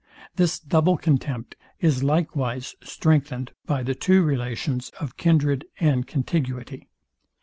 This double contempt is likewise strengthened by the two relations of kindred and contiguity.